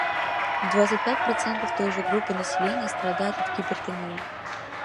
Двадцать пять процентов той же группы населения страдают от гипертонии.